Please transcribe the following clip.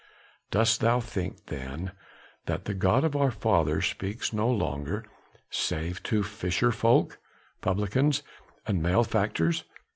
Dost thou think then that the God of our fathers speaks no longer save to fisher folk, publicans and malefactors?